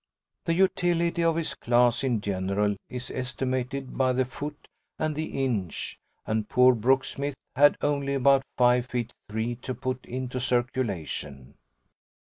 The utility of his class in general is estimated by the foot and the inch, and poor Brooksmith had only about five feet three to put into circulation.